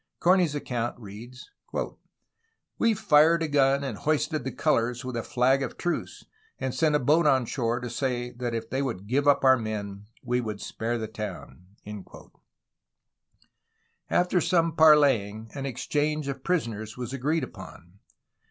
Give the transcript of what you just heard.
Comey's account reads : "We fired a gun and hoisted the colors with a flag of truce, and sent a boat on shore to say if they would give up our men, we would spare the town." After some parleying, an exchange of prisoners was agreed upon.